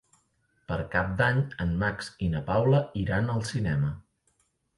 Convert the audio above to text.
Per Cap d'Any en Max i na Paula iran al cinema.